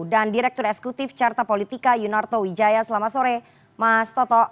dan direktur esekutif carta politika yunarto wijaya selamat sore mas toto